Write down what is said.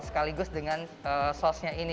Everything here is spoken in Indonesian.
sekaligus dengan sauce nya ini